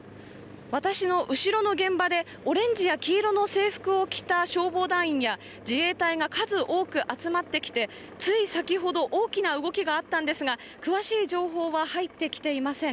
私の後ろの現場で、オレンジや黄色の制服を着た消防団員や自衛隊が数多く集まってきて、つい先ほど、大きな動きがあったんですが、詳しい情報は入ってきていません。